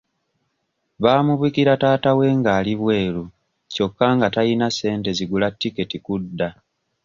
Baamubikira taata we ng'ali bweru kyokka nga tayina ssente zigula tiketi kudda.